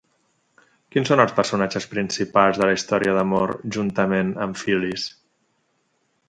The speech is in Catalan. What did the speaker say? Quins són els personatges principals de la història d'amor juntament amb Fil·lis?